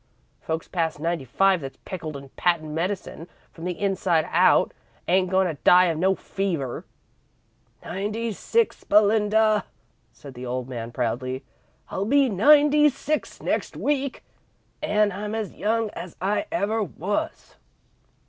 Folks past ninety five that's pickled in patent medicine from the inside out, ain't goin' to die of no fever." "Ninety six, Belinda," said the old man, proudly. "I'll be ninety six next week, an' I'm as young as I ever was."